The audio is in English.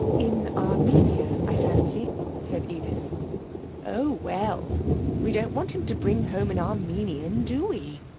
'In Armenia, I fancy,' said Edith. 'Oh, well, we don't want him to bring home an Armenian, do we?